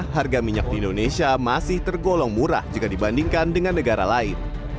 harga minyak di indonesia masih tergolong murah jika dibandingkan dengan negara lain